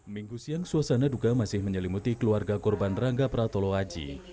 minggu siang suasana duka masih menyelimuti keluarga korban rangga pratolo aji